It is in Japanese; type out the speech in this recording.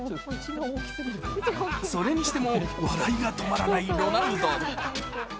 それにしても笑いが止まらないロナウド。